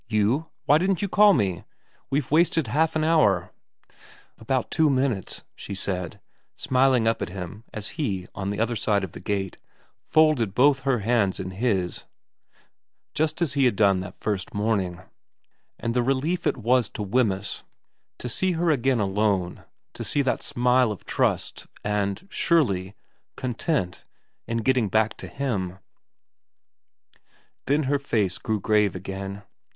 ' You ? Why didn't you call me ? We've wasted half an hour '' About two minutes,' she said, smiling up at him as he, on the other side of the gate, folded both her hands in his just as he had done that first morning ; and the relief it was to Wemyss to see her again alone, to see that smile of trust and surely content in getting back to him 1 Then her face went grave again.